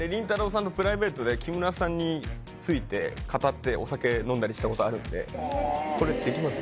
さんとプライベートで木村さんについて語ってりしたことあるんでこれできますよ